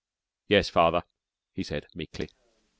"Yes, father," he said meekly.